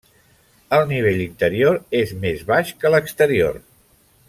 El nivell interior és més baix que l'exterior.